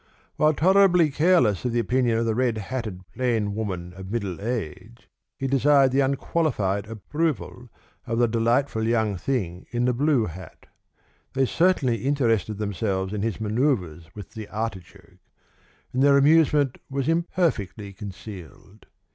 While tolerably careless of the opinion of the red hatted plain woman of middle age, he desired the unqualified approval of the delightful young thing in the blue hat. They certainly interested themselves in his manoeuvres with the artichoke, and their amusement was imperfectly concealed.